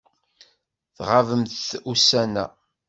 Tɣabemt ussan-a.